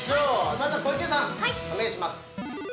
まずは小池さん、お願いします。